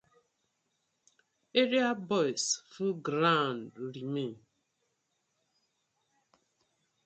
Area guyz full ground remain.